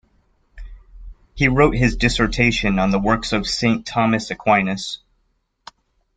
He wrote his dissertation on the works of Saint Thomas Aquinas.